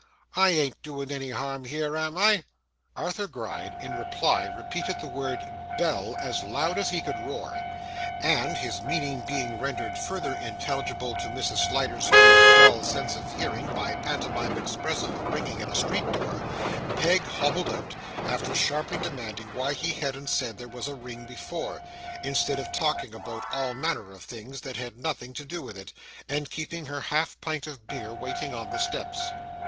'I ain't doing any harm here, am I?' Arthur Gride in reply repeated the word 'bell' as loud as he could roar; and, his meaning being rendered further intelligible to Mrs. Sliderskew's dull sense of hearing by pantomime expressive of ringing at a street door, Peg hobbled out, after sharply demanding why he hadn't said there was a ring before, instead of talking about all manner of things that had nothing to do with it, and keeping her half pint of beer waiting on the steps.